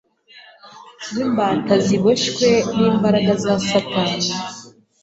w’imbata ziboshywe n’imbaraga za Satani